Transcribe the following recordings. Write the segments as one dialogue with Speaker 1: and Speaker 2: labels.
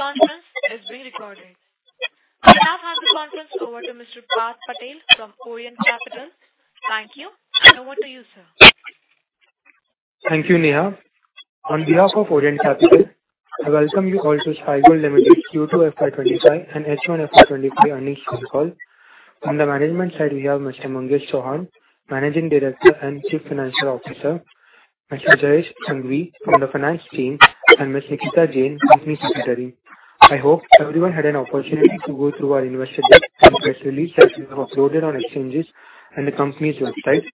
Speaker 1: Madam, this conference is being recorded. I now hand the conference over to Mr. Parth Patel from Orient Capital. Thank you. Over to you, sir.
Speaker 2: Thank you, Neha. On behalf of Orient Capital, I welcome you all to Sky Gold Limited Q2 FY 2025 and H1 FY 2025 earnings call. From the management side, we have Mr. Mangesh Chauhan, Managing Director and Chief Financial Officer, Mr. Jayesh Sanghavi from the finance team, and Ms. Nikita Jain, Company Secretary. I hope everyone had an opportunity to go through our investor deck and press release that we have uploaded on exchanges and the company's website.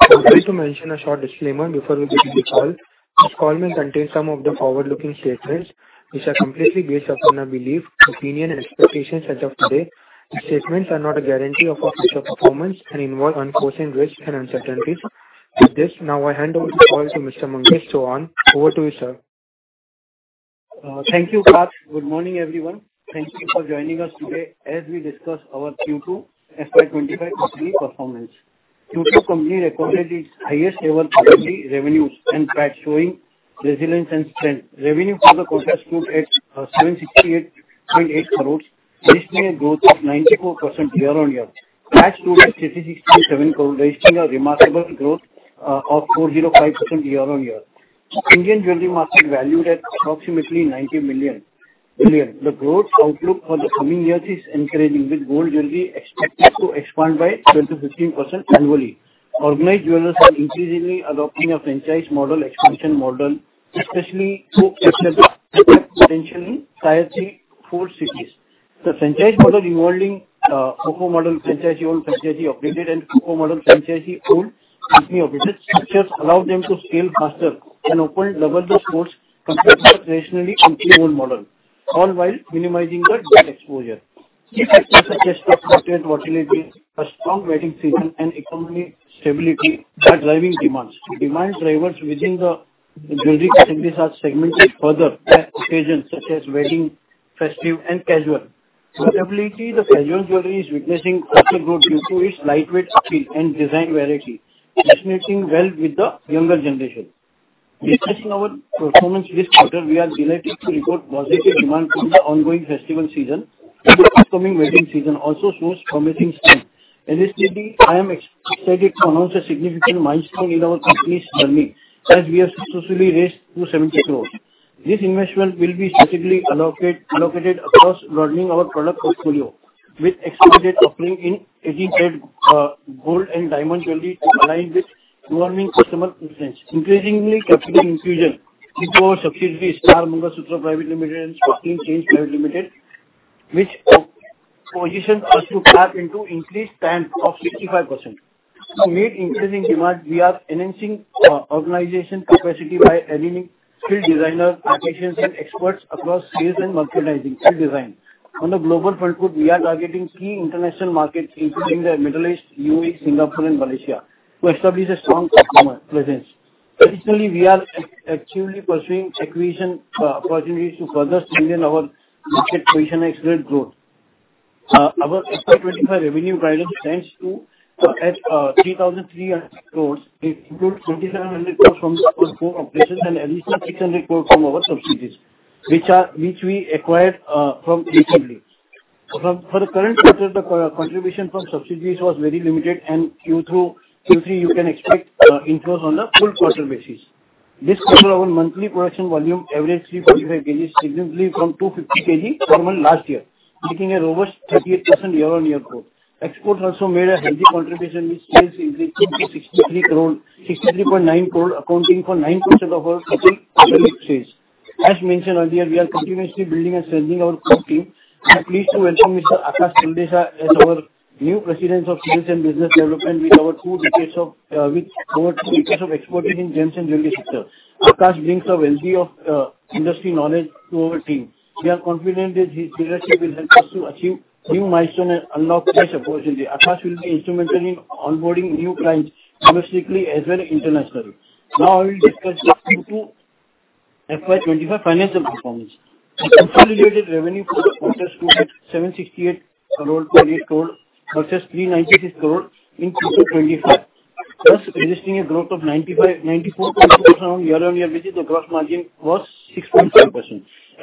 Speaker 2: I would like to mention a short disclaimer before we begin the call. This call may contain some of the forward-looking statements which are completely based upon our belief, opinion, and expectations as of today. These statements are not a guarantee of official performance and involve unforeseen risks and uncertainties. With this, now I hand over the call to Mr. Mangesh Chauhan. Over to you, sir.
Speaker 3: Thank you, Parth. Good morning, everyone. Thank you for joining us today as we discuss our Q2 FY 2025 company performance. Q2 company recorded its highest ever quarterly revenues and price, showing resilience and strength. Revenue for the quarter stood at INR 768.8 crore registering a growth of 94% year-on-year. PAT stood at INR 67 crore, registering a remarkable growth of 405% year-on-year. Indian jewelry market valued at approximately 90 billion crore. The growth outlook for the coming years is encouraging, with gold jewelry expected to expand by 12%-15% annually. Organized jewelers are increasingly adopting a franchise model, expansion model, especially to potentially tier three, tier four cities. The franchise model involving FOFO model, franchise-owned, franchisee-operated, and FOCO model franchisee-owned company-operated structures allowed them to scale faster and open double stores compared to a traditionally entirely owned model, all while minimizing the debt exposure. Key factors such as market volatility, a strong wedding season, and economy stability are driving demands. Demand drivers within the jewelry assembly are segmented further by occasions such as wedding, festive, and casual. Recently, the casual jewelry is witnessing rapid growth due to its lightweight appeal and design variety, resonating well with the younger generation. Discussing our performance this quarter, we are delighted to report positive demand from the ongoing festival season, and the upcoming wedding season also shows promising signs. In this meeting, I am excited to announce a significant milestone in our company's journey, as we have successfully raised 270 crore. This investment will be specifically allocated across broadening our product portfolio, with expanded offering in 18-carat gold and diamond jewelry to align with growing customer preference. Increasingly, capital infusion into our subsidiary Star Mangalsutra Private Limited and Sparkling Chains Private Limited, which positions us to tap into increased TAM of 65%. To meet increasing demand, we are enhancing organization capacity by aligning skilled designers, artisans and experts across sales and merchandising and design. On a global front foot, we are targeting key international markets including the Middle East, UAE, Singapore and Malaysia to establish a strong presence. Additionally, we are actively pursuing acquisition opportunities to further strengthen our market position and accelerate growth. Our FY 2025 revenue guidance stands to, at, 3,300 crore, including 2,700 crore from our core operations and additional 600 crore from our subsidiaries, which we acquired from recently. For the current quarter, the contribution from subsidiaries was very limited, and Q2, Q3, you can expect influence on a full quarter basis. This quarter, our monthly production volume averaged 345 kg, significantly from 250 kg for month last year, making a robust 38% year-on-year growth. Exports also made a healthy contribution, with sales increased to 63 crore, 63.9 crore, accounting for 9% of our total sales. As mentioned earlier, we are continuously building and strengthening our core team. I'm pleased to welcome Mr. Akash Talesara as our new President of Sales and Business Development with over two decades of expertise in gems and jewelry sector. Akash brings a wealth of industry knowledge to our team. We are confident that his leadership will help us to achieve new milestones and unlock new opportunities. Akash will be instrumental in onboarding new clients, domestically as well as internationally. I will discuss the Q2 FY 2025 financial performance. The consolidated revenue for the quarter stood at INR 768.8 crore versus INR 396 crore in Q2 2025, thus registering a growth of 94.2% on year-on-year basis. The gross margin was 6.5%.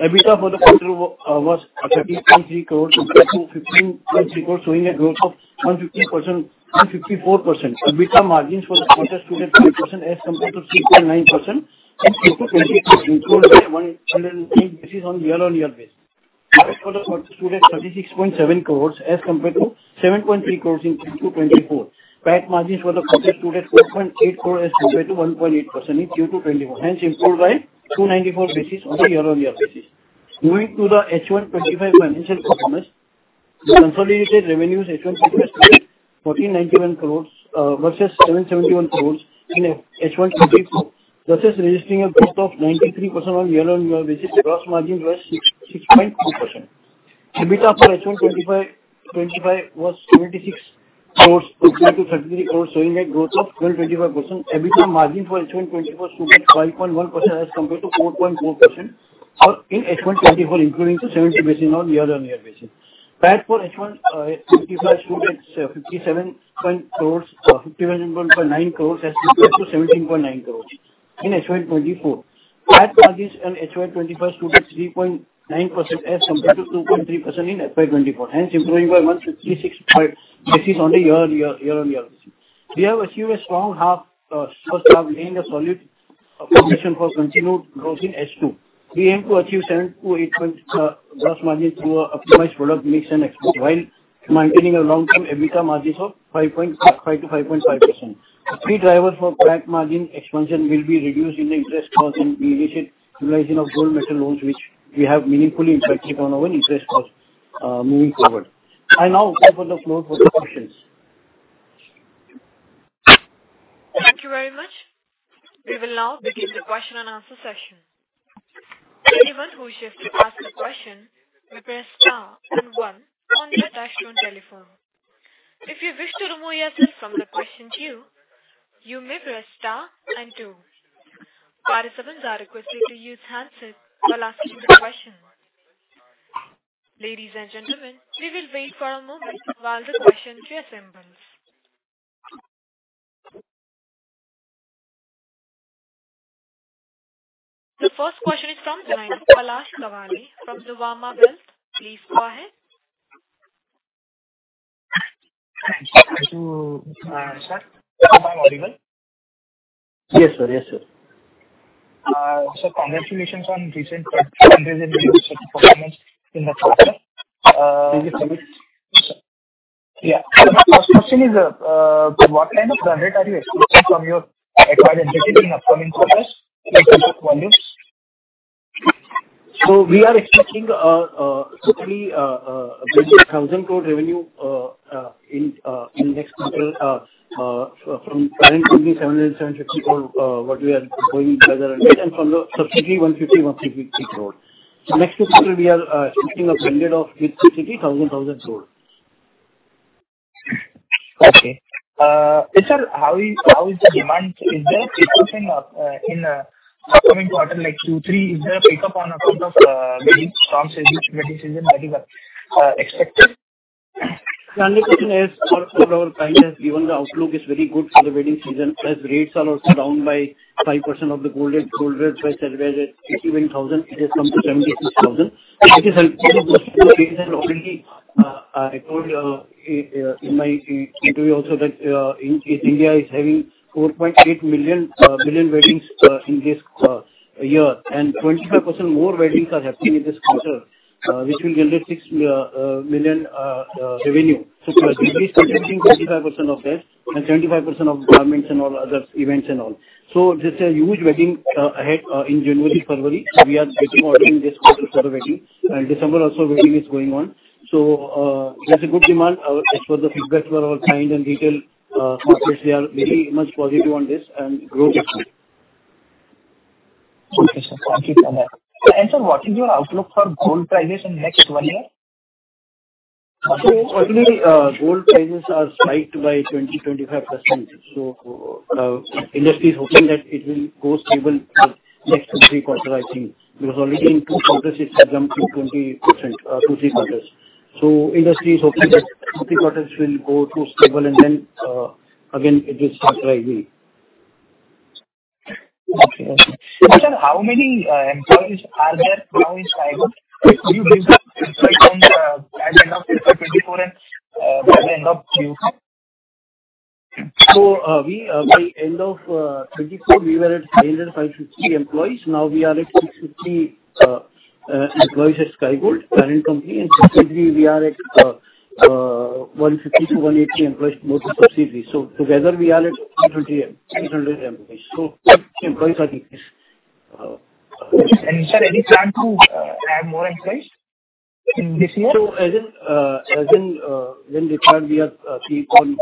Speaker 3: EBITDA for the quarter was INR 38.3 crore, compared to INR 15.3 crore, showing a growth of 154%. EBITDA margins for the quarter stood at 5% as compared to 3.9% in Q2 2024, which improved by 119 basis on year-on-year basis. PAT for the quarter stood at 36.7 crore as compared to 7.3 crore in Q2 2024. PAT margins for the quarter stood at 4.8% as compared to 1.8% in Q2 2021, hence improved by 294 basis on a year-on-year basis. Moving to the H1 2025 financial performance, the consolidated revenues H1 stood at 1,491.9 crore versus INR 771.7 crore in H1 2024, thus registering a growth of 93% on year-on-year basis. The gross margin was 6.4%. EBITDA for H1 2025 was INR 76 compared to INR 33.9 crore, showing a growth of 1,24,4%. EBITDA margin for H1 2025 stood at 5.1% as compared to 4.4%, or in H1 2024, improving to 70 basis on year-on-year basis. PAT for H1 2025 stood at INR 57.9 crores as compared to INR 17.9 crores in H1 2024. PAT margin in FY 2025 stood at 3.9% as compared to 2.3% in FY 2024, hence improving by 156 basis point on the year-on-year. We have achieved a strong half, first half, laying a solid foundation for continued growth in H2. We aim to achieve 7%-8% gross margin through our optimized product mix and export, while maintaining a long-term EBITDA margins of 5%-5.5%. The key driver for PAT margin expansion will be reduced in the interest cost and we initiate realizing of gold metal loans, which we have meaningfully impacted on our interest cost, moving forward. I now open the floor for the questions.
Speaker 1: Thank you very much. We will now begin the question and answer session. Anyone who wishes to ask a question may press star and 1 on their touchtone telephone. If you wish to remove yourself from the question queue, you may press star and 2. Participants are requested to use handsets while asking the question. Ladies and gentlemen, we will wait for a moment while the question queue assembles. The first question is from Palash Kawale from the Nuvama Wealth. Please go ahead.
Speaker 4: Thank you. Sir, am I audible?
Speaker 3: Yes, sir. Yes, sir.
Speaker 4: Congratulations on recent performance in the quarter. Yeah. My first question is, what kind of growth rate are you expecting from your acquired entity in upcoming quarters, like in values?
Speaker 3: We are expecting 1,000 crore revenue in the next quarter from parent company 700-750 crore what we are going together and from the subsidiary 156-350 crore. Next quarter we are expecting a blended of 1,000 crore.
Speaker 4: Okay. Sir, how is the demand? Is there a pick up in upcoming quarter, like Q3, is there a pick up on account of, wedding, strong wedding season are, expected?
Speaker 3: 100% as all client, given the outlook is very good for the wedding season, as rates are also down by 5% of the gold and gold rates by 81,000 crore it has come to 76,000 crore. It is helping the season already. I told in my interview also that India is having 4.8 million weddings in this year, and 25% more weddings are happening in this quarter, which will generate 6 billion revenue. So we are expecting 25% of that and 25% of garments and all other events and all. There's a huge wedding ahead in January, February. We are getting ordering this quarter for the wedding, and December also wedding is going on. There's a good demand As for the feedback for our client and retail markets, they are very much positive on this and growth is good.
Speaker 4: Okay, sir. Thank you for that. Sir, what is your outlook for gold prices in next one year?
Speaker 3: Currently, gold prices are spiked by 20%-25%. Industry is hoping that it will go stable next 2-3 quarter, I think. Already in 2 quarters, it has jumped to 20%, 2-3 quarters. Industry is hoping that 2-3 quarters will go to stable and then again, it will start rising.
Speaker 4: Okay. Sir, how many employees are there now in Sky Gold? Do you think from the end of FY 2024 and by the end of Q?
Speaker 3: we by end of 2024, we were at 550 employees. Now we are at 650 employees at Sky Gold, parent company, and subsidiary we are at 150-180 employees more to succeed. together we are at 800 employees. employees are increased.
Speaker 4: Sir, any plan to add more employees in this year?
Speaker 3: As in, when required, we are keep on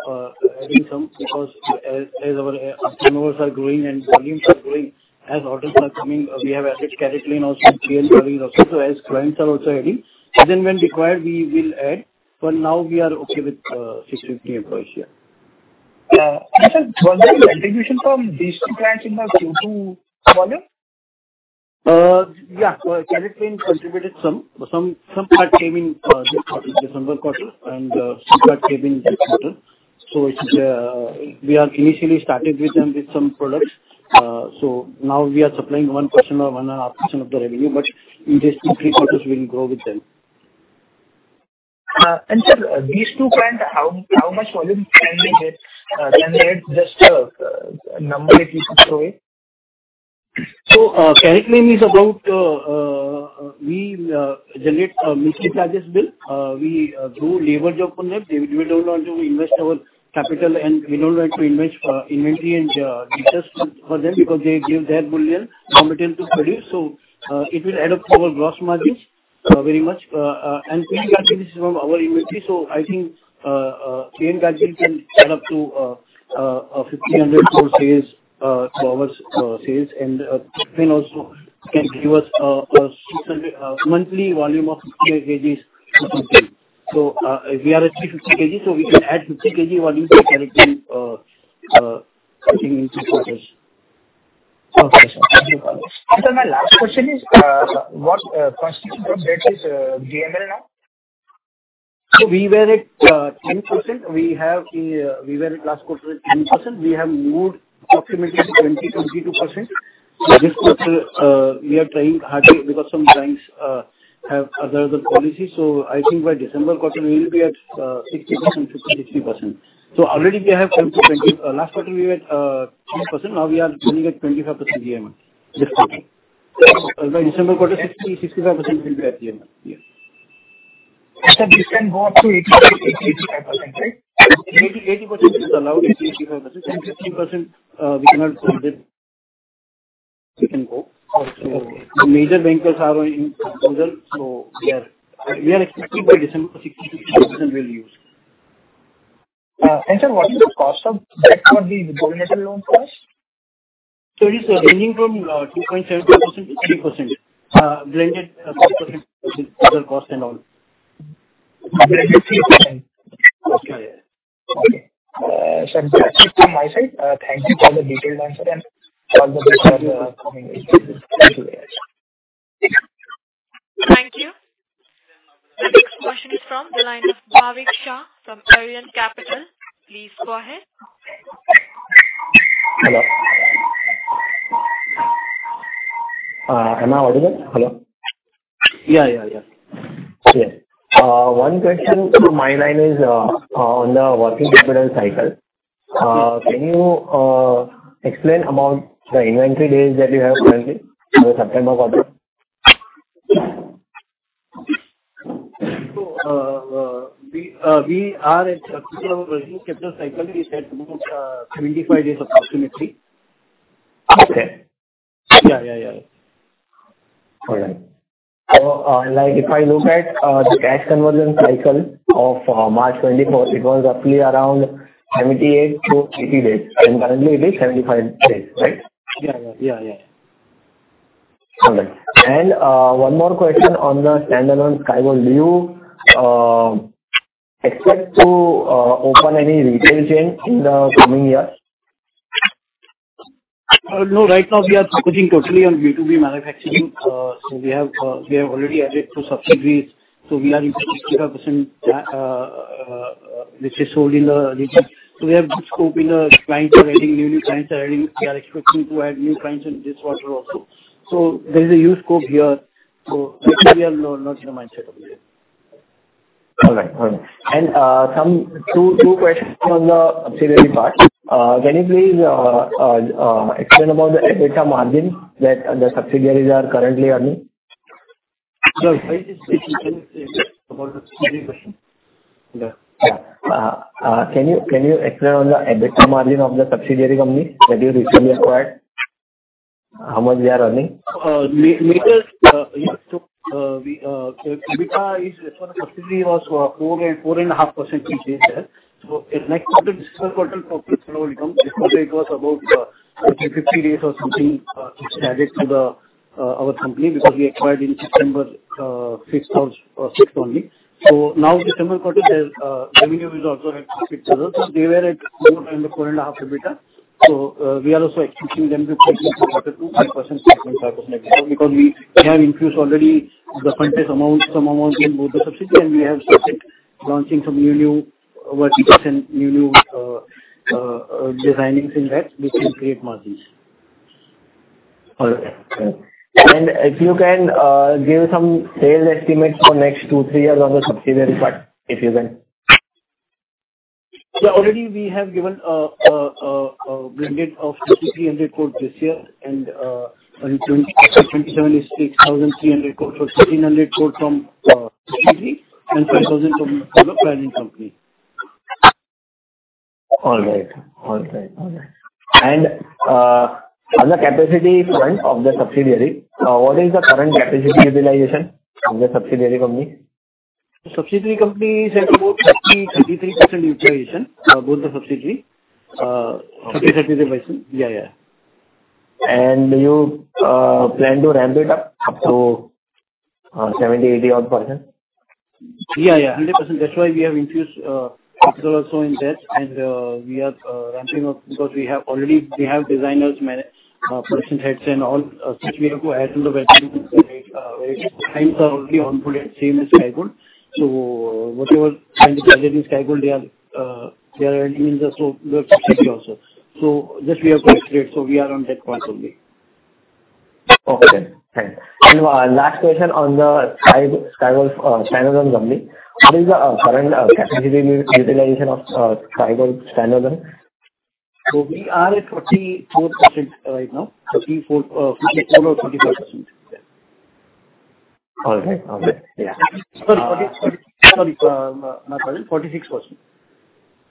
Speaker 3: adding some, because as our entrepreneurs are growing and volumes are growing, as orders are coming, we have added CaratLane and PN Gadgil also, so as clients are also adding. Then when required, we will add. For now, we are okay with 650 employees, yeah.
Speaker 4: Sir, was there a contribution from these two clients in the Q2 volume?
Speaker 3: Yeah. CaratLane contributed some. Some part came in this quarter, December quarter, and some part came in this quarter. It's, we are initially started with them with some products. Now we are supplying 1% or 1.5% of the revenue, but in this 2-3 quarters we'll grow with them.
Speaker 4: Sir, these 2 clients, how much volume can they get? Can they add just a number, at least to show it?
Speaker 3: CaratLane is about we generate monthly charges bill. We do labor job on it. They don't want to invest our capital, and we don't want to invest inventory and interest for them, because they give their bullion material to produce. It will add up to our gross margins very much, and this is from our inventory. I think P N Gadgil can add up to 50- 100 crore sales to our sales. CaratLane also can give us monthly volume of 58 kg to sometime. We are at 350 kg, so we can add 50 kg volume to CaratLane, I think in 2 quarters.
Speaker 4: Sir, my last question is, what rate is GML now?
Speaker 3: We were at 10%. We were last quarter at 10%. We have moved approximately to 20%-22%. This quarter, we are trying hardly because some banks have other policies. I think by December quarter, we will be at 60%-63%. Already we have gone to 20. Last quarter, we were at 10%. Now we are running at 25% GML this quarter. By December quarter, 60%-65% will be at GML, yeah.
Speaker 4: Sir, this can go up to 80%- 85%, right?
Speaker 3: 80% is allowed, 85%, and 15%, we cannot hold it. We can go.
Speaker 4: Okay.
Speaker 3: The major bankers are in proposal. We are expecting by December, 60%-65% we'll use.
Speaker 4: Sir, what is the cost of that currently the government loan cost?
Speaker 3: It is ranging from, 2.75%-3%, blended cost 3%, with other cost and all.
Speaker 4: Blended 3%.
Speaker 3: Okay.
Speaker 4: Okay. That's it from my side. Thank you for the detailed answer and all the best for the coming weeks. Thank you very much.
Speaker 1: Thank you. The next question is from the line of Bhavik Shah from Arihant Capital. Please go ahead.
Speaker 5: Hello. Am I audible? Hello.
Speaker 4: Yeah, yeah.
Speaker 5: Yeah. One question from my line is, on the working capital cycle. Can you explain about the inventory days that you have currently in the September quarter?
Speaker 3: We are at working capital cycle, we said, about 75 days, approximately.
Speaker 5: Okay. Yeah, yeah. All right. like, if I look at the cash conversion cycle of March 24th, it was roughly around 78 to 80 days, and currently it is 75 days, right?
Speaker 3: Yeah, yeah.
Speaker 5: All right. One more question on the standalone Sky Gold. Do you expect to open any retail chain in the coming years?
Speaker 3: No, right now we are focusing totally on B2B manufacturing. We have already added 2 subsidiaries, so we are into 65%, which is sold in the retail. We have good scope in the clients are adding, newly clients are adding. We are expecting to add new clients in this quarter also. There is a huge scope here. Right now we are not in the mindset of retail.
Speaker 5: All right. All right. Two questions on the subsidiary part. Can you please explain about the EBITDA margin that the subsidiaries are currently earning?
Speaker 3: Sir, can you say about the subsidiary question?
Speaker 5: Yeah. Can you explain on the EBITDA margin of the subsidiary company that you recently acquired? How much we are earning?
Speaker 3: We just, yeah, we, so EBITDA is for the subsidiary was 4.5% this year. In next quarter, December quarter, profit will come. This quarter it was about 50 days or something, which added to our company, because we acquired in September 5th or 6th only. Now December quarter, there's revenue is also at 6 rather, they were at more than the 4.5% EBITDA. We are also expecting them to jump from quarter to 5.5%, because we have infused already the funds, amount, some amount in both the subsidiary, and we have started launching some new workplaces and new designings in that, which will create margins.
Speaker 5: All right. If you can, give some sales estimates for next two, three years on the subsidiary part, if you can.
Speaker 3: Already we have given a blended of 3,300 crore this year, and in 2027 is 6,300 crore, so 1,300 crore from subsidiary and 5,000 from the planning company.
Speaker 5: All right. All right. All right. On the capacity front of the subsidiary, what is the current capacity utilization of the subsidiary company?
Speaker 3: Subsidiary company is at about 30-33% utilization, both the subsidiary, 30-33%. Yeah, yeah.
Speaker 5: Do you plan to ramp it up to 70%, 80 odd %?
Speaker 3: Yeah, yeah, 100%. That's why we have infused capital also in that. We are ramping up because we have already. We have designers, production heads and all, which we have to add to the factory. Clients are already on board, same as Sky Gold. Whatever client is in Sky Gold, they are adding in the, so the subsidiary also. That we have to accelerate, so we are on that path only.
Speaker 5: Okay, thank you. Last question on the Sky Gold, standalone company. What is the current capacity utilization of Sky Gold standalone?
Speaker 3: we are at 46%.
Speaker 5: All right. All right.
Speaker 3: Yeah. Sorry, my bad, 46%.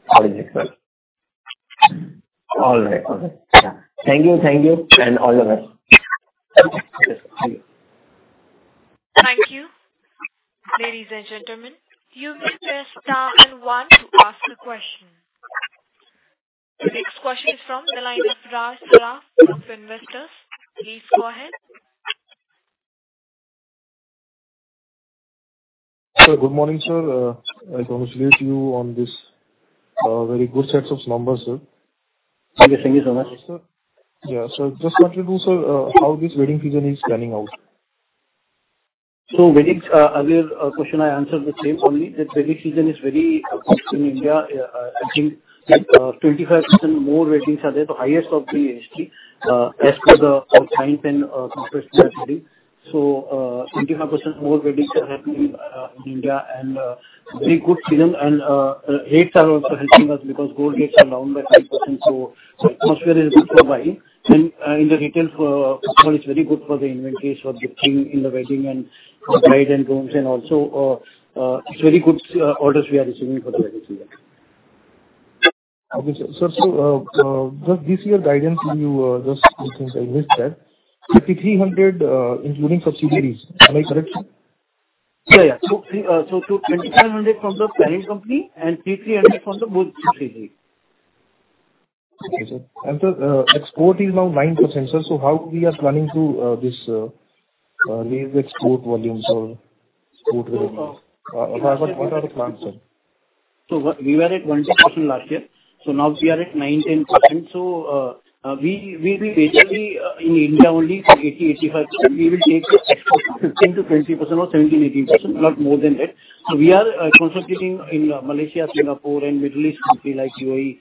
Speaker 5: 46%. All right. All right. Yeah. Thank you. Thank you, and all the best.
Speaker 4: Thank you.
Speaker 1: Thank you. Ladies and gentlemen, you may press star and one to ask a question. The next question is from the line of Raj Saraf of Finvestors. Please go ahead.
Speaker 6: Sir, good morning, sir. I congratulate you on this, very good sets of numbers, sir.
Speaker 3: Thank you. Thank you so much.
Speaker 6: Yeah. Just wanted to know, sir, how this wedding season is planning out?
Speaker 3: Weddings, earlier, question I answered the same, only that wedding season is very good in India. I think, 25% more weddings are there, the highest of the history, as per the clients and corporates. 25% more weddings are happening, in India, and very good season. Rates are also helping us because gold rates are down by 5%, so the atmosphere is good to buy. In the retail, for it's very good for the inventories, for gifting in the wedding and for bride and grooms, also, it's very good orders we are receiving for the wedding season.
Speaker 6: Okay, sir. Just this year guidance, you just I missed that. INR 3,300, including subsidiaries. Am I correct, sir?
Speaker 3: Yeah, yeah. so two INR 2,700 from the parent company and three INR 300 from the both subsidiaries.
Speaker 6: Okay, sir. export is now 9%, sir. How we are planning to raise the export volumes or export revenues? What are the plans, sir?
Speaker 3: We were at 1%-2% last year, now we are at 9%-10%. We will basically in India only for 80%-85%, we will take the export to 15-20% or 17-18%, not more than that. We are concentrating in Malaysia, Singapore, and Middle East country like UAE,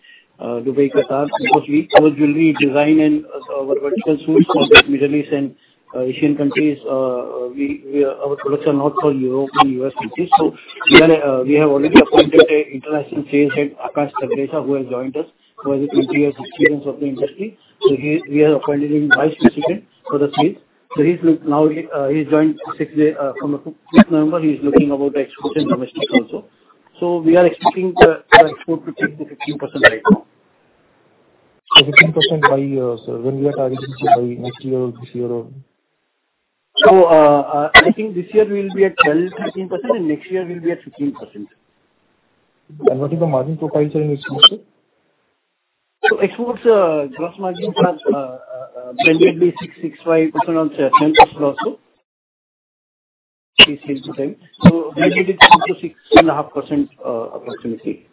Speaker 3: Dubai, Qatar, because our jewelry design and our vertical suites for the Middle East and Asian countries, our products are not for Europe and US countries. We are, we have already appointed a international sales head, Akash Talesara, who has joined us, who has a 20 years experience of the industry. We have appointed him vice president for the sales. He's joined 5th November. He's looking about the export and domestic also. We are expecting the export to take to 15% right now.
Speaker 6: 15% by, sir, when we are targeting, by next year or this year or?
Speaker 3: I think this year we will be at 12%- 13%, and next year we'll be at 15%.
Speaker 6: What is the margin profile, sir, in this quarter?
Speaker 3: Exports, gross margins are blendedly 6%- 5% or 7% also. Blended it into 6.5%, approximately.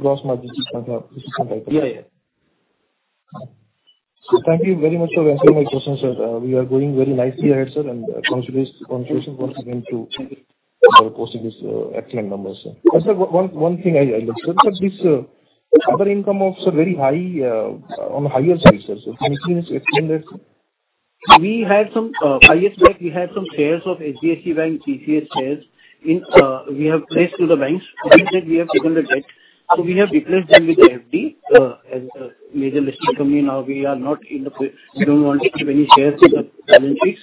Speaker 6: Gross margins is 6.5 %, right?
Speaker 3: Yeah, yeah.
Speaker 6: Thank you very much for answering my questions, sir. We are going very nicely ahead, sir, and congratulations, once again, to for posting this excellent numbers, sir. Just 1 thing I looked at this other income of, sir, very high on the higher side, sir. Can you please explain that, sir?
Speaker 3: We had some 5 years back, we had some shares of HDFC Bank, TCS shares in. We have placed to the banks. After that we have taken the debt, we have replaced them with FD. As a major listed company now, we are not in the we don't want to keep any shares in the balance sheet,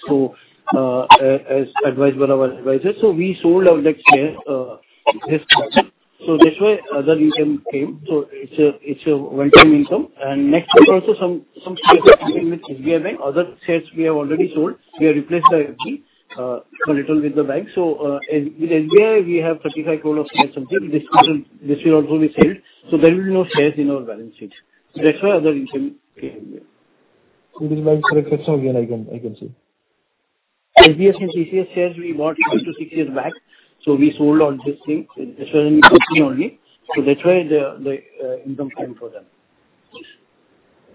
Speaker 3: as advised by our advisors, we sold out that share this quarter. That's why other income came. It's a one-time income. Next week also, some specific with HDFC Bank, other shares we have already sold. We have replaced the FD little with the bank. As with SBI we have 35 crore or something. This will also be sold, there will be no shares in our balance sheet. That's why other income came in there.
Speaker 6: This is my correct question again, I can see.
Speaker 3: HDFC and TCS shares, we bought into six years back. We sold all these things. This was in INR 50 only. That's why the income came for them.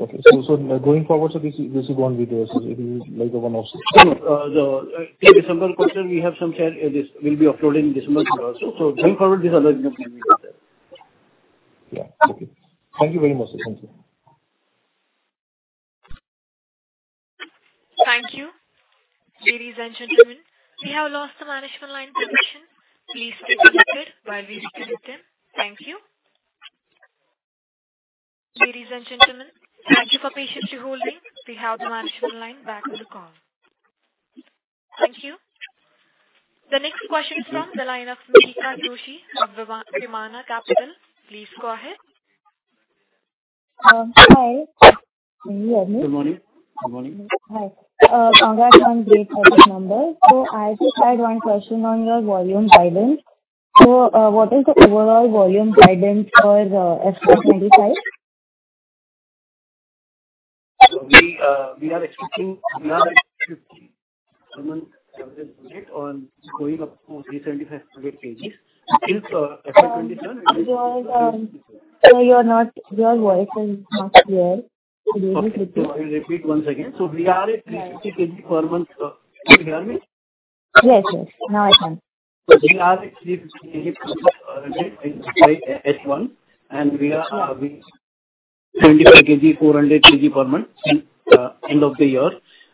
Speaker 6: Okay. Going forward, this is going to be the same, it is like a one-off situation?
Speaker 3: The December quarter, we have some shares, and this will be uploading in December quarter also. Going forward, this other income will be there.
Speaker 6: Yeah. Okay. Thank you very much, sir. Thank you.
Speaker 1: Thank you. Ladies and gentlemen, we have lost the management line permission. Please be connected while we reconnect them. Thank you. Ladies and gentlemen, thank you for patiently holding. We have the management line back on the call. Thank you. The next question is from the line of Mihika Joshi of Vimana Capital. Please go ahead.
Speaker 7: Hi. Good morning.
Speaker 3: Good morning. Good morning.
Speaker 7: Hi. congrats on great quarter numbers. I just had one question on your volume guidance. what is the overall volume guidance for FY 25?
Speaker 3: We, we are expecting, we are at 50 per month average on going up to 350 kgs per mont Since, FY 2027-
Speaker 7: Sir, you're not... Your voice is not clear.
Speaker 3: Okay. I'll repeat once again. We are at 350 kg per month. Can you hear me?
Speaker 7: Yes, yes. Now I can.
Speaker 3: We are at 350 kg per month, H1, and we are, we 375 kg, 400 kg per month in end of the year.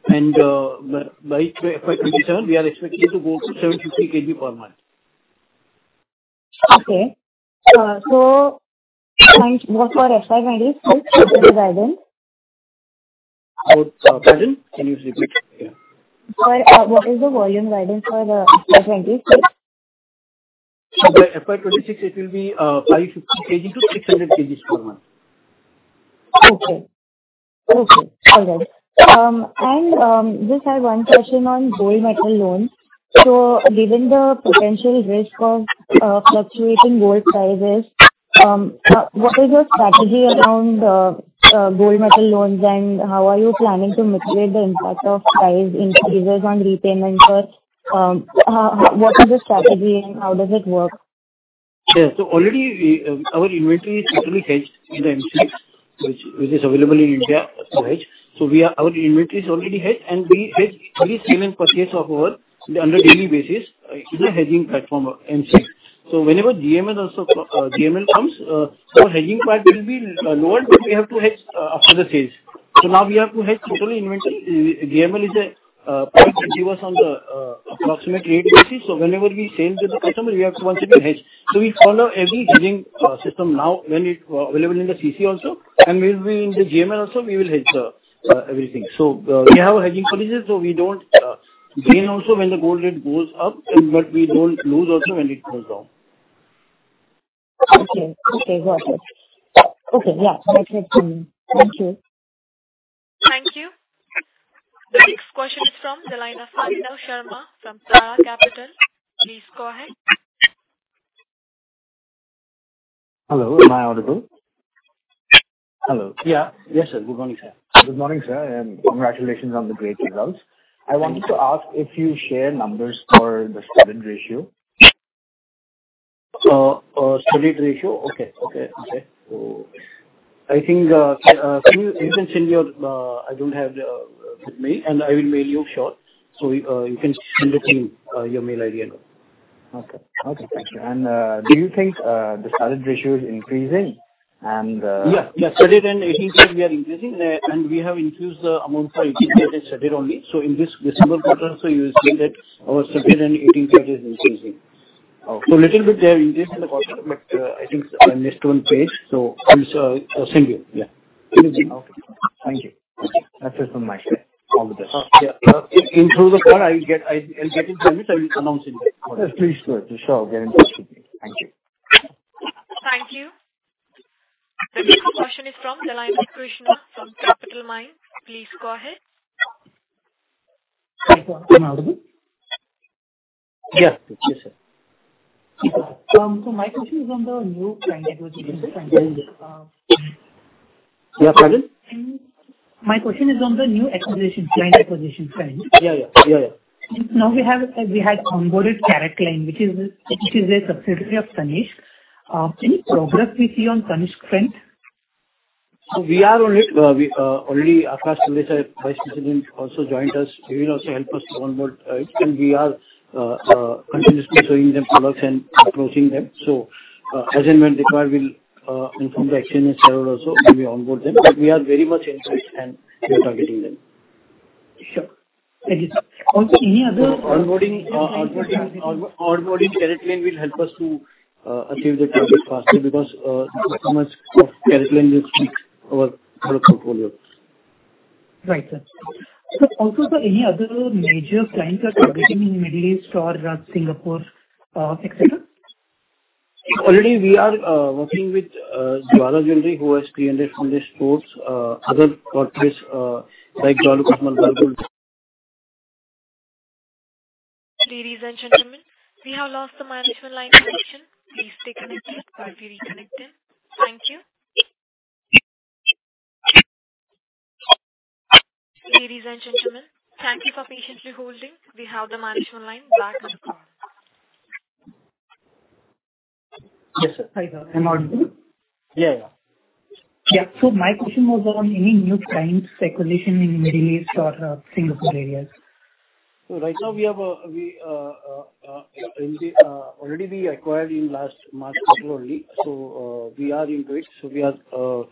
Speaker 3: By FY 2027, we are expecting to go to 750 kg per month.
Speaker 7: Okay. For FY 2026, what is the guidance?
Speaker 3: For guidance, can you repeat? Yeah.
Speaker 7: What is the volume guidance for the FY 26?
Speaker 3: By FY 2026, it will be 550 kg to 600 kgs per month.
Speaker 7: Okay. Okay, all right. Just had one question on gold metal loans. Given the potential risk of fluctuating gold prices. What is your strategy around gold metal loans, and how are you planning to mitigate the impact of price increases on repayments? Or, what is the strategy and how does it work?
Speaker 3: Yeah. Already, our inventory is totally hedged in the MCX, which is available in India to hedge. Our inventory is already hedged, and we hedge every single purchase of our, under daily basis, in the hedging platform of MCX. Whenever GML also comes, our hedging part will be lowered, but we have to hedge up to the phase. Now we have to hedge total inventory. GML is a point which give us on the approximate rate basis, whenever we sell to the customer, we have to once again hedge. We follow every hedging system now, when it available in the CC also, and we will be in the GML also, we will hedge everything. We have a hedging policies, so we don't gain also when the gold rate goes up, but we don't lose also when it goes down.
Speaker 7: Okay. Okay, got it. Okay, yeah, makes sense to me. Thank you.
Speaker 1: Thank you. The next question is from the line of Abhinav Sharma from Tara Capital. Please go ahead.
Speaker 8: Hello, am I audible? Hello.
Speaker 3: Yeah. Yes, sir. Good morning, sir.
Speaker 8: Good morning, sir, and congratulations on the great results.
Speaker 3: Thank you.
Speaker 8: I wanted to ask if you share numbers for the studded ratio.
Speaker 3: studded ratio? Okay, okay. I think, you can send me your. I don't have the with me, and I will mail you short. You can send it in your mail ID and all.
Speaker 8: Okay. Okay, thank you. Do you think the studded ratio is increasing?
Speaker 3: Yeah, studded and 18-carat we are increasing, and we have increased the amount for 18-carat and studded only. In this December quarter, so you will see that our studded and 18-carat is increasing.
Speaker 8: Okay.
Speaker 3: Little bit they have increased in the quarter, but I think when next one phase, so I will send you. Yeah.
Speaker 8: Okay. Thank you. Okay, that's just on my side. All the best.
Speaker 3: Yeah, in through the call, I'll get it from it, I will announce in the call.
Speaker 8: Yes, please do it. Sure, I'll get in touch with you. Thank you.
Speaker 1: Thank you. The next question is from the line of Krishna from Capitalmind. Please go ahead.
Speaker 9: Hi, sir. Am I audible?
Speaker 3: Yeah. Yes, sir.
Speaker 9: My question is on the new client acquisition front.
Speaker 3: Yeah, pardon?
Speaker 9: My question is on the new acquisition, client acquisition front.
Speaker 3: Yeah, yeah. Yeah, yeah.
Speaker 9: We have onboarded CaratLane, which is a subsidiary of Tanishq. Any progress we see on Tanishq front?
Speaker 3: We are only, we already Akash Talesara, vice president, also joined us. He will also help us to onboard, we are continuously showing them products and approaching them. As and when required, we'll inform the exchange several also, we will onboard them. We are very much interested, and we are targeting them.
Speaker 9: Sure. Thank you, sir. Also, any other-
Speaker 3: Onboarding CaratLane will help us to achieve the target faster because customers of CaratLane is sweet over product portfolio.
Speaker 9: Right, sir. Also, sir, any other major clients you are targeting in Middle East or Singapore, et cetera?
Speaker 3: Already we are working with Jawhara Jewellery, who has 300-400 stores, other corporates.
Speaker 1: Ladies and gentlemen, we have lost the management line connection. Please stay connected while we reconnect them. Thank you. Ladies and gentlemen, thank you for patiently holding. We have the management line back on the call.
Speaker 3: Yes, sir.
Speaker 9: Hi, sir. Am I audible?
Speaker 3: Yeah, yeah.
Speaker 9: Yeah. My question was on any new clients acquisition in Middle East or Singapore areas.
Speaker 3: Right now we have in the already we acquired in last March, April only. We are into it. We are, target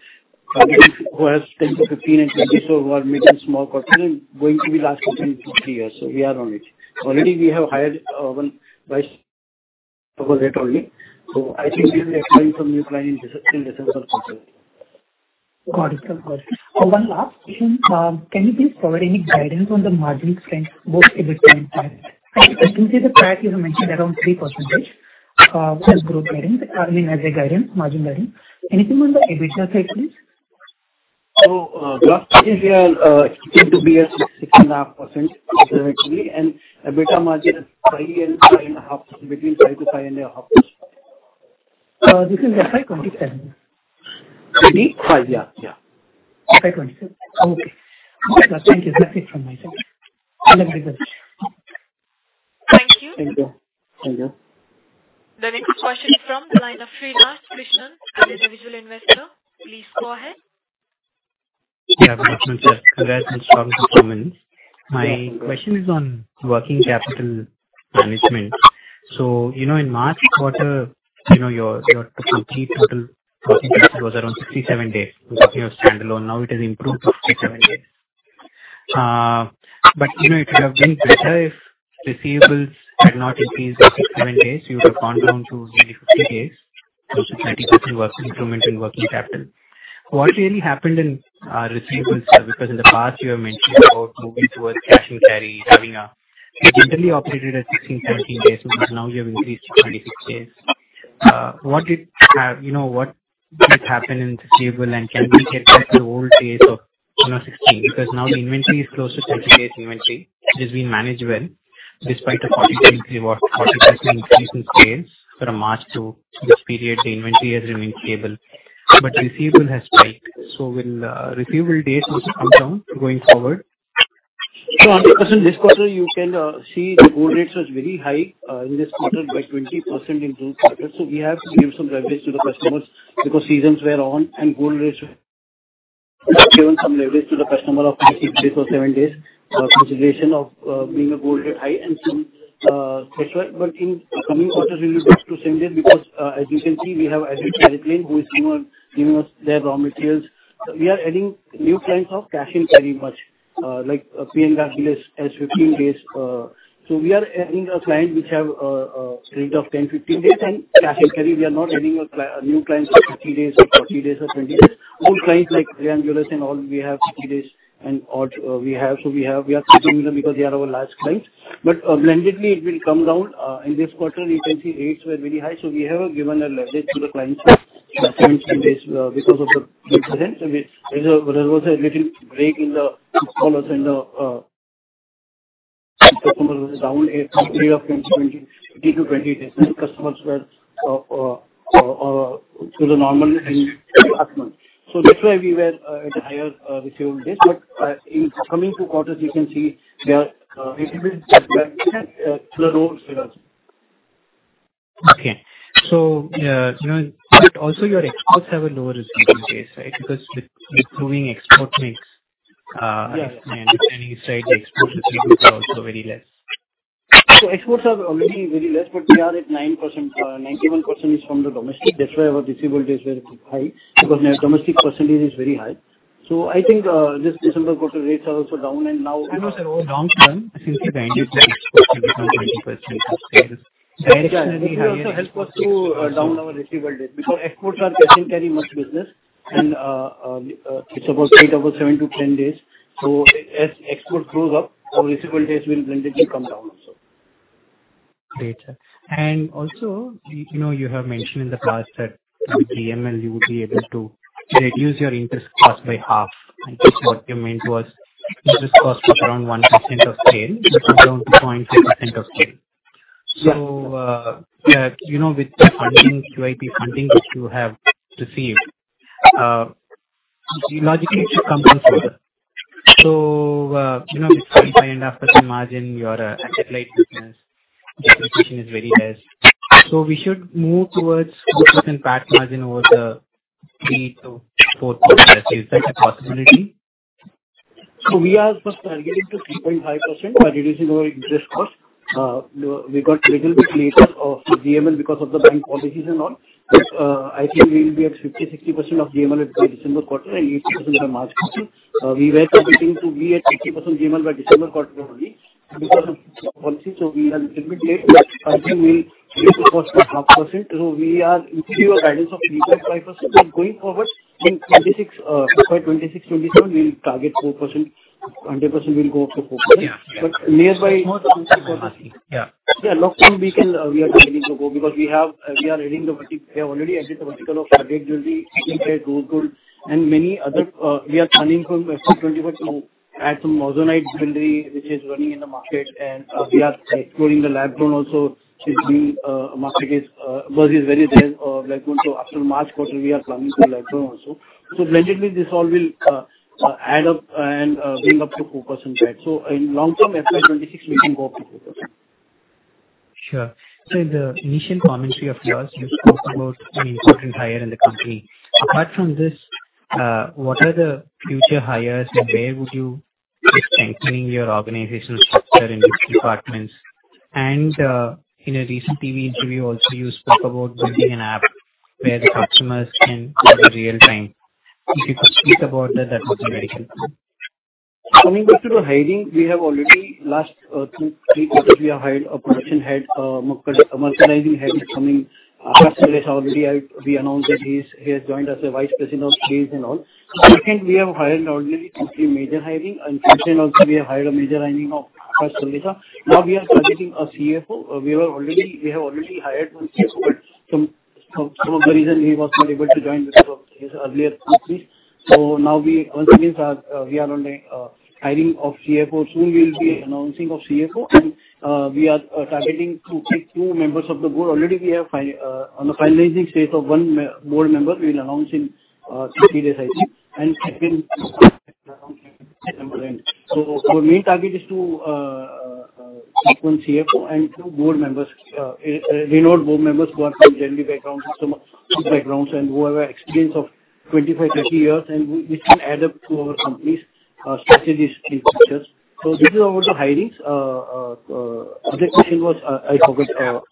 Speaker 3: who has 10 to 15 and 20, so who are making small profit and going to be last between 2, 3 years, so we are on it. Already we have hired, one vice president only, so I think we will acquire some new client in December, in December quarter.
Speaker 9: Got it. Of course. one last question: can you please provide any guidance on the margin strength, both EBIT and PAT? I can see the PAT you have mentioned around 3% as growth guidance, as a guidance, margin guidance. Anything on the EBITDA side, please?
Speaker 3: last year, it seemed to be 6.5%, actually, and EBITDA margin is 5% and 5.5%, between 5%-5.5%.
Speaker 9: this is the FY 27?
Speaker 3: FY? Yeah.
Speaker 9: FY 27. Okay. Thank you. That's it from my side. All the best.
Speaker 1: Thank you. The next question is from the line of Srinath Krishnan, an individual investor. Please go ahead.
Speaker 10: Yeah, good morning, sir. Congrats on strong performance.
Speaker 3: Yeah.
Speaker 10: My question is on working capital management. You know, in March quarter, you know, your complete total processing days was around 67 days with your standalone. Now it has improved to 57days. You know, it could have been better if receivables had not increased by 6 days and 7 days, you would have gone down to maybe 50 days, so 30% work, improvement in working capital. What really happened in receivables, sir? In the past, you have mentioned about moving towards cash and carry, having a. You generally operated at 16 days and 17 days, but now you have increased to 26 days. You know, what did happen in receivable, and can we get back to old days of, you know, 16 days? Because now the inventory is close to 30 days inventory, which is being managed well. despite a 40% increase in sales from March to this period, the inventory has remained stable, but receivable has spiked. Will receivable days also come down going forward?
Speaker 3: No, this quarter, you can see the gold rates was very high in this quarter by 20% in gold quarter. We have to give some leverage to the customers because seasons were on, and gold rates were given some leverage to the customer of 5 days or 7 days consideration of being a gold rate high and some that's why. In coming quarters, we will look to same day, because as you can see, we have added CaratLane, who is giving us their raw materials. We are adding new clients of cash and carry much like, P. N. Gadgil as 15 days. We are adding a client which have a rate of 10, 15 days, and cash and carry, we are adding a new client which has rate of 10 days. Old clients like Kalyan Jewellers and all, we have 50 days and odd, we have. We have, we are keeping them because they are our large clients. blendedly, it will come down. In this quarter, you can see rates were very high, so we have given a leverage to the clients for 10 days because of the presence. There was a little break in the callers and the customers were down a period of 20 days, and the customers were to the normal in last month. That's why we were at a higher receivable days. In coming 2 quarters, you can see we are it will get back to the normal status.
Speaker 10: Okay. you know, also your exports have a lower receivable days, right? with growing export mix.
Speaker 3: Yes.
Speaker 10: My understanding is right, the export receivables are also very less.
Speaker 3: Exports are already very less, but we are at 91% is from the domestic. That's why our receivable days were high, because our domestic percentage is very high. I think this December quarter, rates are also down.
Speaker 10: No, sir, over long term, I think the export become 20%.
Speaker 3: Yeah, it will also help us to down our receivable days, because exports are cash and carry much business, and it's about over 7-10 days. As export grows up, our receivable days will blendedly come down also.
Speaker 10: Great, sir. Also, you know, you have mentioned in the past that with GML, you would be able to reduce your interest cost by half. I think what you meant was, interest cost is around 1% of sale, which is around 0.5% of sale. You know, with the funding, QIP funding, which you have received, logically, it should come down further. You know, with 25 and after some margin, your asset light business, depreciation is very less. We should move towards good than PAT margin over the 3-4 quarters. Is that a possibility?
Speaker 3: We are first targeting to 3.5% by reducing our interest cost. We got little bit later of GML because of the bank policies and all. I think we will be at 50%-60% of GML by December quarter and 80% of March quarter. We were targeting to be at 80% GML by December quarter only. Because of policy, we are little bit late, but I think we raise to cost to 0.5%. We are giving you a guidance of 3.5%. Going forward, in 2026, FY 2026-2027, we'll target 4%. 100% we'll go up to 4%.
Speaker 10: Yeah, yeah.
Speaker 3: nearby-
Speaker 10: More than that possible. Yeah.
Speaker 3: Long term, we can, we are ready to go, because we have, we have already added the vertical of target jewelry, gold, and many other. We are planning from FY 2025 to add some Moissanite jewelry, which is running in the market, and we are exploring the Lab-grown also, which the market is, buzz is very less, Lab-grown. After March quarter, we are planning for lab-grown also. Blendedly, this all will add up and bring up to 4%, right? In long term, FY 2026, we can go up to 4%.
Speaker 10: Sure. In the initial commentary of yours, you spoke about an important hire in the company. Apart from this, what are the future hires and where would you be strengthening your organizational structure in which departments? In a recent TV interview, also, you spoke about building an app where the customers can order real-time. If you could speak about that would be very helpful.
Speaker 3: Coming back to the hiring, we have already last two, three quarters, we have hired a production head, a merchandising head is coming. Akash Talesara already I, we announced that he has joined as a vice president of sales and all. Second, we have hired already two, three major hiring, and thirdly also, we have hired a major hiring of Akash Talesara. Now we are targeting a CFO. We have already hired one CFO, but some of the reason he was not able to join with us earlier, quickly. Now we, as it is, we are on a hiring of CFO. Soon we will be announcing of CFO and we are targeting to take two members of the board. Already we are on the finalizing stage of one board member. We'll announce in 30 days, I think, and second, around December end. Our main target is to keep one CFO and two board members, renowned board members who are from genuine backgrounds, some backgrounds, and who have an experience of 25 years, 30 years, and we, which can add up to our company's strategies, features. This is about the hirings. Other question was, I forgot.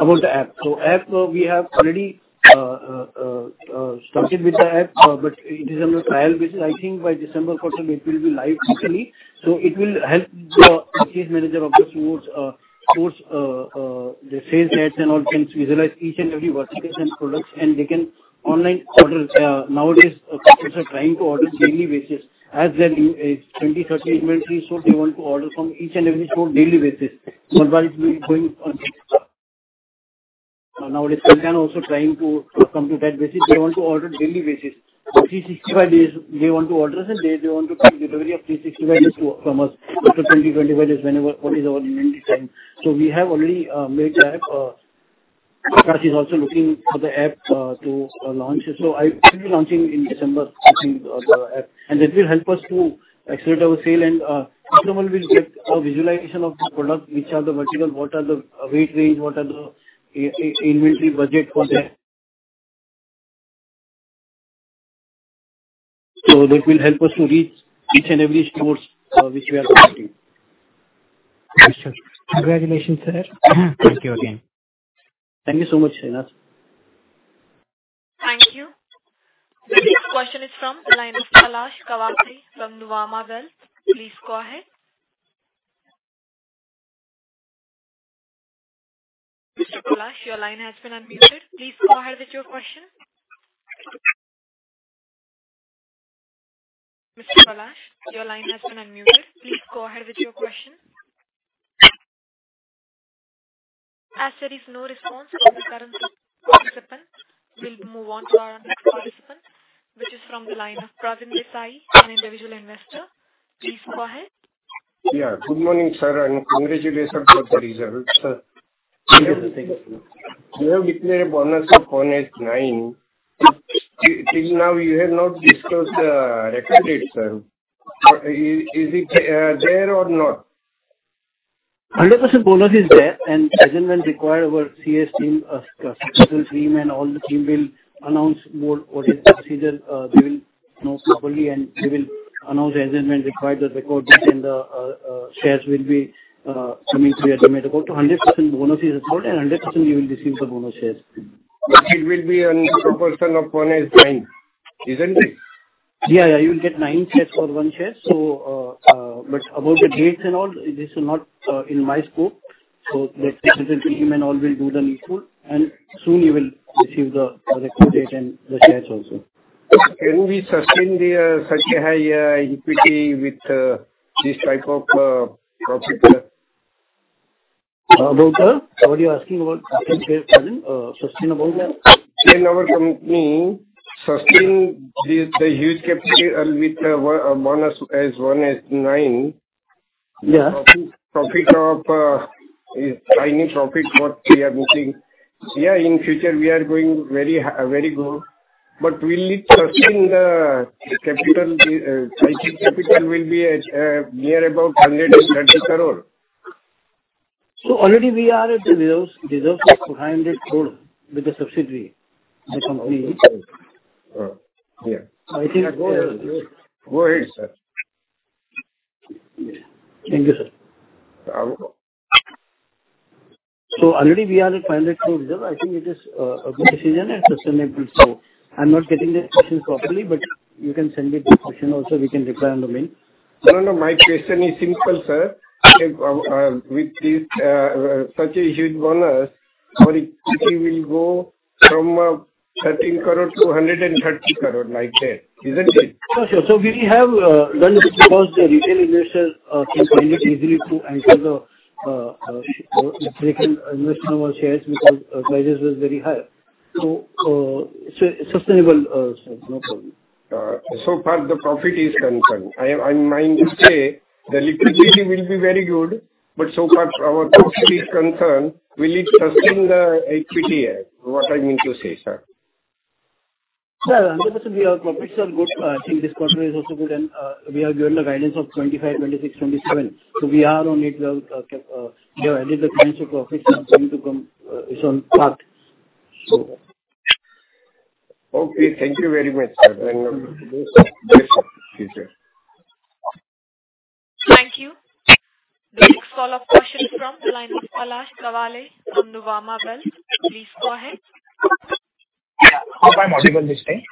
Speaker 3: About the app. App, we have already started with the app, but it is under trial basis. I think by December quarter, it will be live fully. It will help the case manager, obviously, towards the sales ads and all, can visualize each and every verticals and products, and they can online order. Nowadays, customers are trying to order daily basis as their new age 20- 25 days inventory, they want to order from each and every store daily basis. Now, this time can also trying to come to that basis. They want to order daily basis. 365 days, they want to order, and they want to take delivery of 365 days from us. 20-25 days, whenever, what is our delivery time. We have already made the app, Akash is also looking for the app to launch. I will be launching in December, I think, the app, and that will help us to accelerate our sale. Customer will get a visualization of the product, which are the material, what are the weight range, what are the inventory budget for that. That will help us to reach each and every stores, which we are targeting.
Speaker 10: Sure. Congratulations, sir. Thank you again.
Speaker 3: Thank you so much, Srinath.
Speaker 1: Thank you. The next question is from the line of Palash Kawale from Nuvama Wealth. Please go ahead. Mr. Palash, your line has been unmuted. Please go ahead with your question. Mr. Palash, your line has been unmuted. Please go ahead with your question. As there is no response from the current participant, we'll move on to our next participant, which is from the line of Pravin Desai, an individual investor. Please go ahead.
Speaker 11: Yeah. Good morning, sir, and congratulations for the results.
Speaker 3: Sir, thank you.
Speaker 11: You have declared a bonus of 1:9. Till now you have not discussed the record date, sir. Is it there or not?
Speaker 3: 100% bonus is there. As and when required, our CS team, customer team and all the team will announce more what is the procedure. They will know properly, and they will announce as and when required, the record date, and the shares will be coming to your dormant account. 100% bonus is recorded. 100% you will receive the bonus shares.
Speaker 11: It will be on proportion of 1 :9, isn't it?
Speaker 3: Yeah, you will get 9 shares for 1 share. But about the dates and all, this is not in my scope. Let the team and all will do the needful, and soon you will receive the record date and the shares also.
Speaker 11: Can we sustain the such a high equity with this type of profit, sir?
Speaker 3: About, sir? What are you asking about, sir? Pardon, sustain about that?
Speaker 11: Can our company sustain the huge capital with 1 bonus as 1:9?
Speaker 3: Yeah.
Speaker 11: Profit of, tiny profit what we are making. In future we are going very high, very good. Will it sustain the capital will be at, near about 130 crore?
Speaker 3: already we are at the reserves of 500 crore with the subsidiary, the company.
Speaker 11: Oh, yeah.
Speaker 3: I think-
Speaker 11: Go ahead. Go ahead, sir.
Speaker 3: Thank you, sir.
Speaker 11: Uh.
Speaker 3: Already we are at 500 crore reserve. I think it is a good decision and sustainable. I'm not getting the question properly, but you can send it to question also, we can reply on the mail.
Speaker 11: No, no, my question is simple, sir. With this, such a huge bonus, our equity will go from 13 crore to 130 crore, like that. Isn't it?
Speaker 3: Sure, sure. We have done because the retail investors can find it easily to enter the, they can invest in our shares because prices was very high. Sustainable, sir, no problem.
Speaker 11: So far the profit is concerned. I'm mine to say the liquidity will be very good, but so far our profit is concerned, will it sustain the equity, what I mean to say, sir?
Speaker 3: Sir, 100% we are profits are good. I think this quarter is also good. We have given the guidance of 2025 2026, 2027. We are on it. We have added the kinds of profits are going to come. It's on track.
Speaker 11: Okay, thank you very much, sir.
Speaker 3: Thank you, sir.
Speaker 11: Best wishes for the future.
Speaker 1: Thank you. The next follow-up question is from the line of Palash Kawale from Nuvama Wealth. Please go ahead.
Speaker 4: Yeah. Am I audible this time?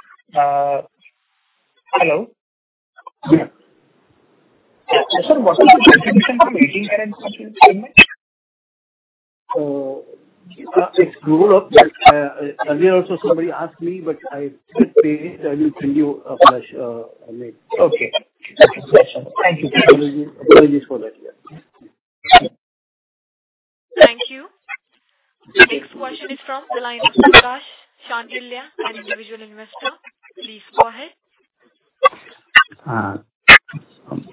Speaker 4: Hello.
Speaker 3: Yeah.
Speaker 4: Sir, what is the distribution from working current ratio?
Speaker 3: It's grown up, but earlier also somebody asked me, but I did pay. I will send you, Palash, later.
Speaker 4: Okay, thank you, sir.
Speaker 3: Apologies for that, yeah.
Speaker 1: Thank you. The next question is from the line of Prakash Shandilya, an individual investor. Please go ahead.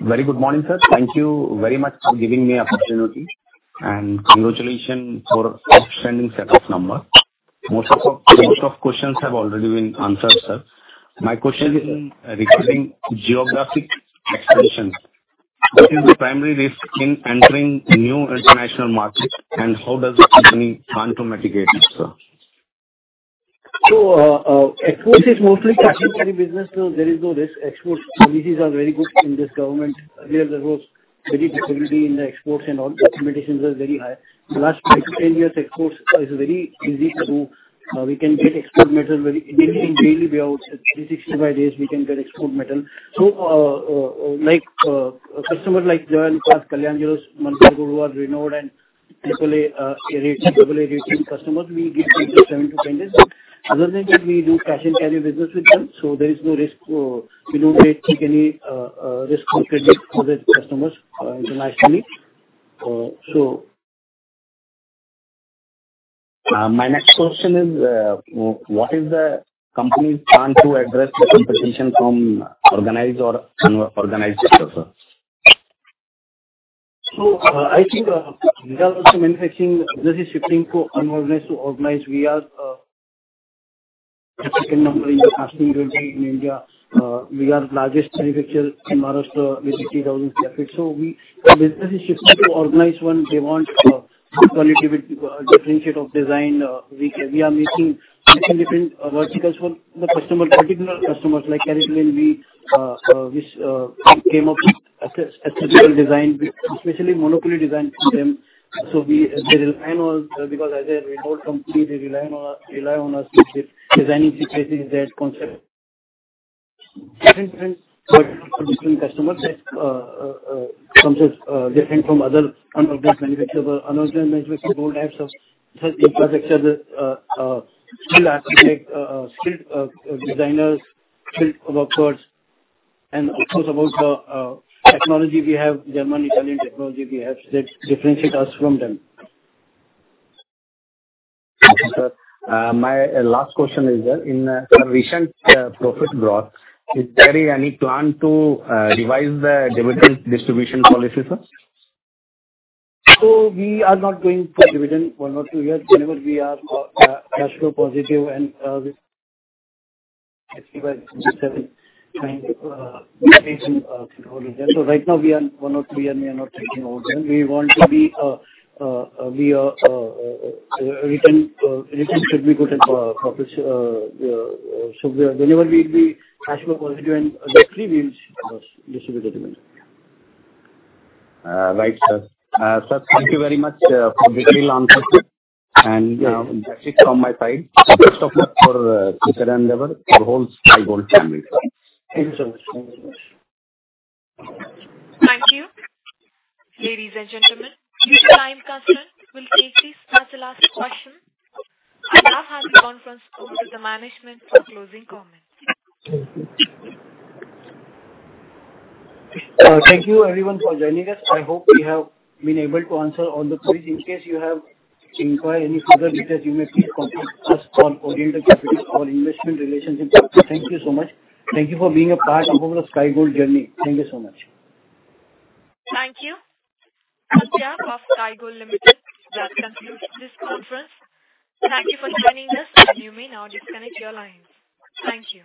Speaker 12: Very good morning, sir. Thank you very much for giving me opportunity, and congratulations for outstanding set of number. Most of questions have already been answered, sir. My question is regarding geographic expansion. What is the primary risk in entering new international markets, and how does the company plan to mitigate it, sir?
Speaker 3: Exports is mostly cash and carry business. There is no risk. Export policies are very good in this government. Earlier there was very difficulty in the exports and all the competitions are very high. The last 5 to 10 years, exports is very easy to do. We can get export meter very easily, daily way out, 365 days, we can get export meter. Customer like Joyalukkas, Kalyan Jewellers, Malabar Gold, Renewed with AAA. AA rating customers, we give credit 7 to 10 days. Other than that, we do cash and carry business with them. There is no risk. We don't take any risk on credit for the customers internationally.
Speaker 12: My next question is, what is the company's plan to address the competition from organized or unorganized sector, sir?
Speaker 3: I think result of manufacturing, this is shifting to unorganized, to organized. We are the second number in the fasting in India. We are the largest manufacturer in Maharashtra, with 80,000 sq ft. We, the business is shifting to organized one. They want quality with differentiate of design. We are making different verticals for the customer, particular customers like CaratLane. We, which came up with accessible design, especially monopoly design for them. We, they rely on because as a remote company, they rely on us with the designing spaces, their concept. Different for different customers, from different from other unorganized manufacturer. Unorganized manufacturer don't have such infrastructure, skilled architect, skilled designers, skilled workers, and also about the technology we have, German, Italian technology we have that differentiate us from them.
Speaker 12: Okay, sir. My last question is, sir, in recent profit growth, is there any plan to revise the dividend distribution policy, sir?
Speaker 3: We are not going for dividend 1 or 2 years. Whenever we are cash flow positive and by 2027, trying to. Right now we are 1 or 2, and we are not taking over them. We want to be, we are return should be good and profits. Whenever we be cash flow positive and free, we'll distribute the dividend.
Speaker 12: Right, sir. Sir, thank you very much for the detailed answers. That's it from my side. Best of luck for fiscal and level for the whole Sky Gold family.
Speaker 3: Thank you, sir.
Speaker 1: Thank you. Ladies and gentlemen, due to time constraint, we'll kindly take the last question. I now hand the conference over to the management for closing comments.
Speaker 3: Thank you everyone for joining us. I hope we have been able to answer all the queries. In case you have inquiry, any further details, you may please contact us or Orient Capital, our investment relations. Thank you so much. Thank you for being a part of our Sky Gold journey. Thank you so much.
Speaker 1: Thank you. On behalf of Sky Gold Limited, that concludes this conference. Thank you for joining us. You may now disconnect your lines. Thank you.